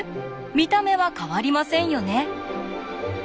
見た目は変わりませんよね。